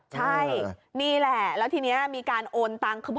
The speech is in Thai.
ใช่นี่แหละแล้วทีนี้มีการโอนตังค์